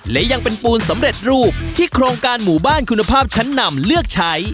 และยังเป็นปูนสำเร็จรูปที่โครงการหมู่บ้านคุณภาพชั้นนำเลือกใช้